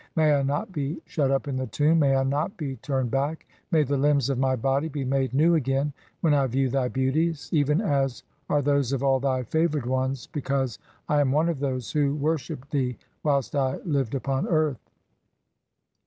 May I not be shut up "in [the tomb], may I not be (i3) turned back, may the limbs "of my body be made new again when I view thy beauties, "even as [are those of] all thy favoured ones, (14) because I am "one of those who worshipped thee [whilst I lived] upon earth.